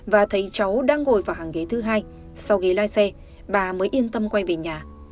và thấy cháu đang ngồi vào hàng ghế thứ hai sau ghế lái xe bà mới yên tâm quay về nhà